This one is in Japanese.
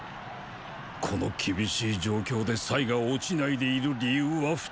この厳しい状況でが落ちないでいる理由は二つ。